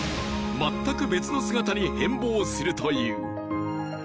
全く別の姿に変貌するという！